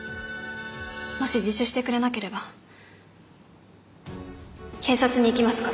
もし自首してくれなければ警察に行きますから。